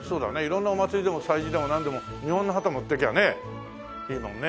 色んなお祭りでも催事でもなんでも日本の旗持って行けばねいいもんね。